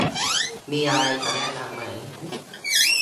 มีอะไรจะแนะนำไหม